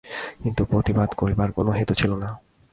কিন্তু, প্রতিবাদ করিবার কোনো হেতু ছিল না।